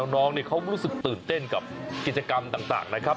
น้องเขารู้สึกตื่นเต้นกับกิจกรรมต่างนะครับ